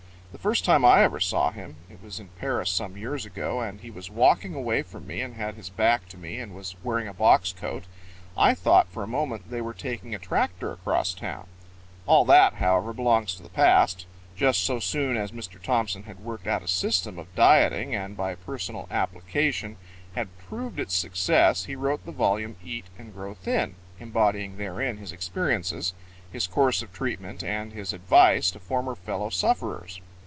The first time I ever saw him it was in Paris some years ago, and he was walking away from me and had his back to me and was wearing a box coat I thought for a moment they were taking a tractor across town. All that, however, belongs to the past. Just so soon as Mr. Thompson had worked out a system of dieting and by personal application had proved its success he wrote the volume Eat and Grow Thin, embodying therein his experiences, his course of treatment and his advice to former fellow sufferers.